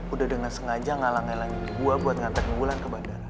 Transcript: udah dengan sengaja ngalah ngelanin gua buat ngantre wulan ke bandara